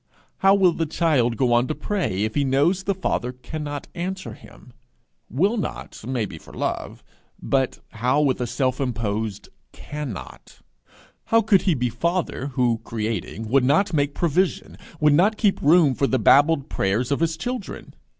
how will the child go on to pray if he knows the Father cannot answer him? Will not may be for love, but how with a self imposed cannot? How could he be Father, who creating, would not make provision, would not keep room for the babbled prayers of his children?